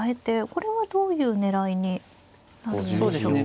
これはどういう狙いになるんでしょうか。